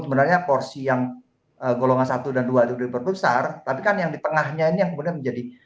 sebenarnya porsi yang golongan satu dan dua itu diperbesar tapi kan yang di tengahnya ini yang kemudian menjadi